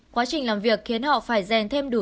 quá trình làm việc khiến họ phải rèn thêm đủ